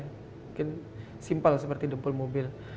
mungkin simpel seperti dempul mobil